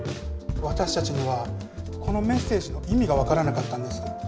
わたしたちにはこのメッセージのいみがわからなかったんです。